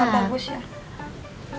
gak bagus ya